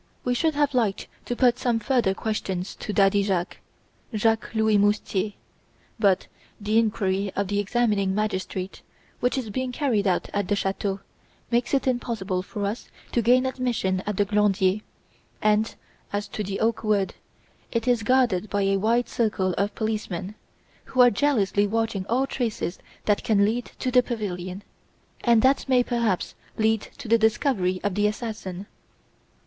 We should have liked to put some further questions to Daddy Jacques Jacques Louis Moustier but the inquiry of the examining magistrate, which is being carried on at the chateau, makes it impossible for us to gain admission at the Glandier; and, as to the oak wood, it is guarded by a wide circle of policemen, who are jealously watching all traces that can lead to the pavilion, and that may perhaps lead to the discovery of the assassin.